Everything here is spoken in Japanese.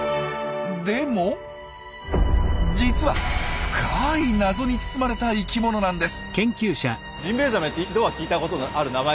でも実は深い謎に包まれた生きものなんです。